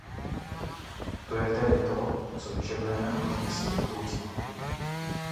To je tedy to, co vyžadujeme od Komise do budoucna.